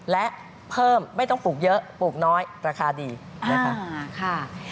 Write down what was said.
และเพิ่มไม่ต้องปลูกเยอะปลูกน้อยราคาดีนะคะ